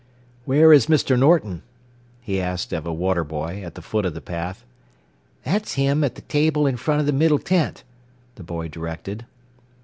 "Where is Mr. Norton?" he asked of a water boy at the foot of the path. "That's him at the table in front of the middle tent," the boy directed.